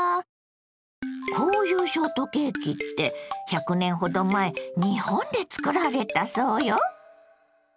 こういうショートケーキって１００年ほど前日本で作られたそうよ。